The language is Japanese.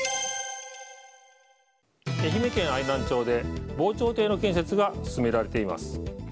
愛媛県愛南町で防潮堤の建設が進められています。